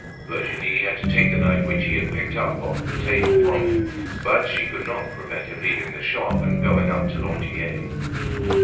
Virginie had to take the knife which he had picked up off the table from him. But she could not prevent him leaving the shop and going up to Lantier.